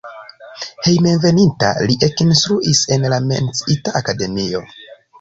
Hejmenveninta li ekinstruis en la menciita akademio.